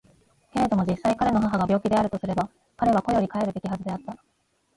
けれども実際彼の母が病気であるとすれば彼は固より帰るべきはずであった。